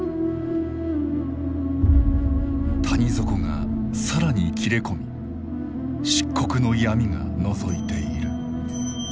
谷底が更に切れ込み漆黒の闇がのぞいている。